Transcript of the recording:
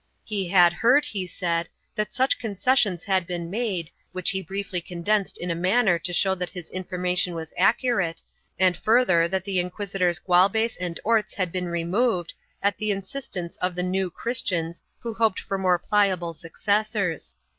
He had heard, he said, that such concessions had been made, which he briefly condensed in a manner to show that his information was accurate, and further that the inquisitors Gualbes and Orts had been removed, at the instance of the New Christians who hoped for more pliable suc cessors.